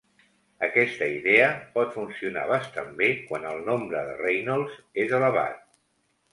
Aquesta idea pot funcionar bastant bé quan el nombre de Reynolds és elevat.